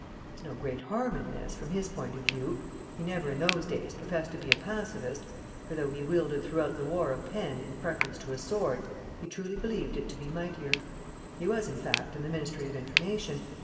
There was no great harm in this, from his point of view; he never, in those days, professed to be a pacifist, for, though he wielded throughout the war a pen in preference to a sword, he truly believed it to be mightier; he was, in fact, in the Ministry of Information.